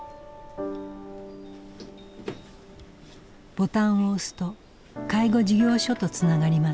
ボタンを押すと介護事業所とつながります。